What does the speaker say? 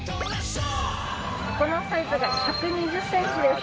箱のサイズが１２０ｃｍです。